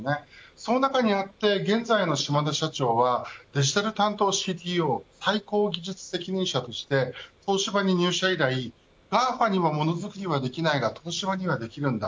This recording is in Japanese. その中にあって現在の島田社長はデジタル担当ＣＴＯ最高技術責任者として東芝に入社して以来ＧＡＦＡにはモノづくりはできないが東芝にはできるんだ。